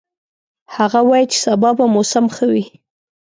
هغه وایي چې سبا به موسم ښه وي